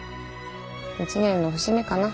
１年の節目かな。